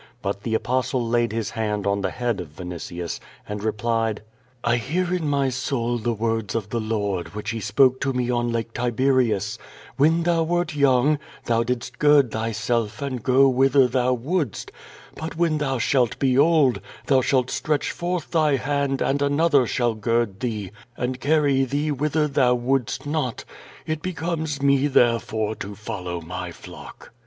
But the Apostle laid his hand on the head of Vinitius, and re plied: "I hear in my soul the words of the Lord, which he spoke to me on Lake Tiberius: *When thou wert young, thou didst gird thyself and go whither thou wouldst; but when thou shalt be old, thou shalt stretch forth thy hand and another shall gird thee and carry thee whither thou wouldst not;* it becomes me, therefore, to follow my flock.